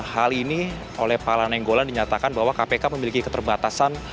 hal ini oleh pak lana enggolan dinyatakan bahwa kpk memiliki keterbatasan